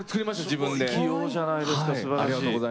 器用じゃないですか。